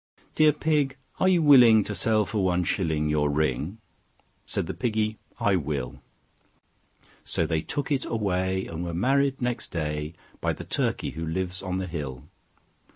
"Dear Pig, are you willing to sell for one shilling Your ring?" Said the Piggy, "I will." So they took it away, and were married next day By the Turkey who lives on the hill.